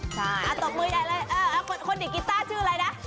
ใช่ตบมือใหญ่เลยคนเด็กกีต้าชื่ออะไรนะ